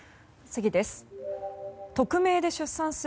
次です。